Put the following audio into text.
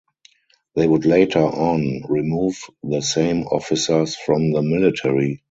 They would later on remove the same officers from the military.